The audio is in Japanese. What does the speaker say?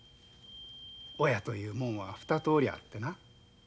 親というもんは２通りあってな。